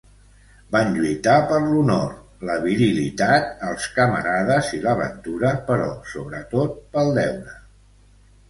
Van lluitar per l'honor, la virilitat, els camarades i l'aventura, però sobretot pel deure.